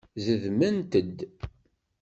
Zedment-d.